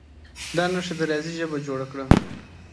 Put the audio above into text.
دا نښې د ریاضي ژبه جوړه کړه.